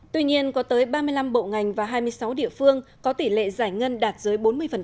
tuy nhiên có tới ba mươi năm bộ ngành và hai mươi sáu địa phương có tỷ lệ giải ngân đạt dưới bốn mươi